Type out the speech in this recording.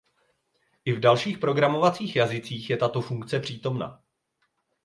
I v dalších programovacích jazycích je tato funkce přítomna.